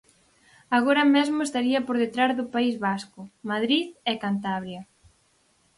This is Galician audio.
Agora mesmo estaría por detrás do País Vasco, Madrid e Cantabria.